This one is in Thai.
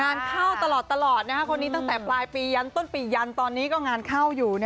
งานเข้าตลอดคนนี้ตั้งแต่ปลายปียันต้นปียันตอนนี้ก็งานเข้าอยู่